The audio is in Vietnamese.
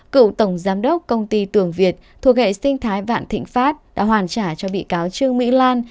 cựu tổng giám đốc công ty tường việt thuộc hệ sinh thái vạn thịnh pháp đã hoàn trả cho bị cáo trương mỹ lan